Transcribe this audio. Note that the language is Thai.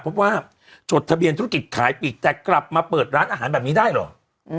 พบว่าจดทะเบียนธุรกิจขายปีกแต่กลับมาเปิดร้านอาหารแบบนี้ได้เหรอ